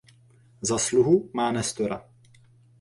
Za sluhu má Nestora.